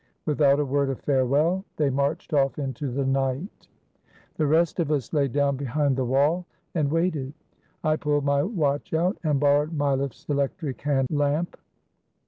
Without a word of farewell, they marched off into the night. The rest of us lay down behind the wall and waited. I pulled my watch out and borrowed Mileff's electric hand lamp.